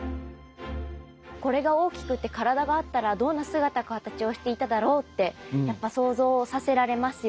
これが大きくて体があったらどんな姿形をしていただろうってやっぱ想像させられますよね。